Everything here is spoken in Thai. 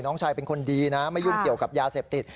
น้องชายเป็นคนดีนะไม่ยุ่งเกี่ยวกับยาเสพติด